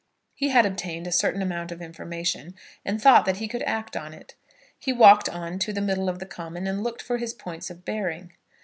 He had obtained a certain amount of information, and thought that he could act on it. He walked on to the middle of the common, and looked for his points of bearing.